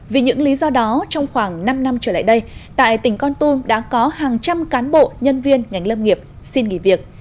vì những lý do đó trong khoảng năm năm trở lại đây tại tỉnh con tum đã có hàng trăm cán bộ nhân viên ngành lâm nghiệp xin nghỉ việc